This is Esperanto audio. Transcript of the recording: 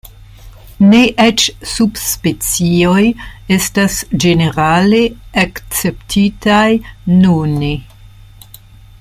Ne eĉ subspecioj estas ĝenerale akceptitaj nune.